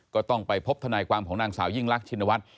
ก็ต้องไปพบทนายความของนางสาวยิ่งรักชินวัฒน์